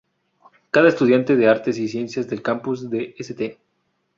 Cada estudiante de artes y ciencias del campus de St.